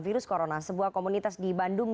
virus corona sebuah komunitas di bandung